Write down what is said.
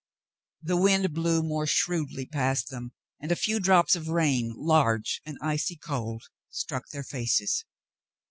The wind blew more shrewdly past them, and a few drops of rain, large and icy cold, struck their faces.